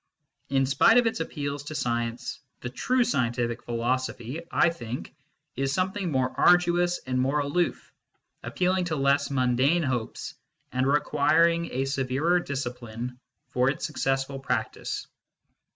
In spite of its appeals to science, the true scientific philosophy, I think, is some thing more arduous and more aloof, appealing to less mundane hopes, and requiring a severer discipline for its successful practice.